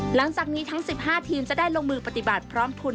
หลังจากนี้ทั้ง๑๕ทีมจะได้ลงมือปฏิบัติพร้อมทุน